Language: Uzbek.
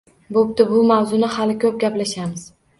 Bo‘pti, bu mavzuni hali ko‘p gaplashamiz.